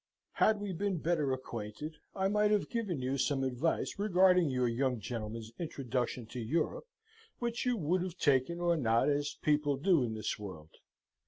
"Had we been better acquainted, I might have given you some advice regarding your young gentleman's introduction to Europe, which you would have taken or not, as people do in this world.